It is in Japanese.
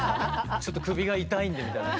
ちょっと首が痛いんでみたいな。